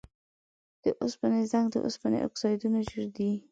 د اوسپنې زنګ د اوسپنې اکسایدونه دي.